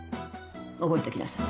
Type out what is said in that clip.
覚えておきなさい。